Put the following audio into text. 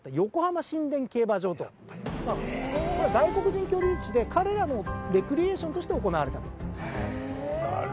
外国人居留地で彼らのレクリエーションとして行われたと。